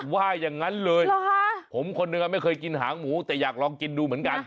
ว่าอย่างนั้นเลยผมคนหนึ่งไม่เคยกินหางหมูแต่อยากลองกินดูเหมือนกัน